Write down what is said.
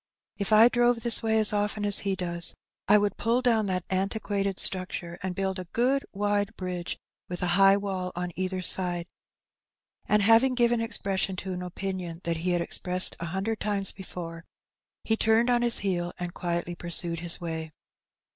If I drove this way as often as he does, I would pull down that antiquated structure, and build a good wide bridge with a high wall on either side;*' and, having given expression to an opinion that he had expressed a hundred times before, he turned on his heel and quietly pursued his way.